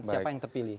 siapa yang terpilih